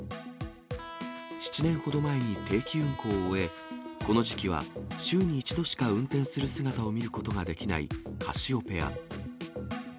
７年ほど前に定期運行を終え、この時期は週に１度しか運転する姿を見ることができないカシオペア。